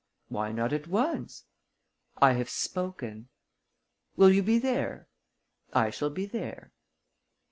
"Why not at once?" "I have spoken." "Will you be there?" "I shall be there."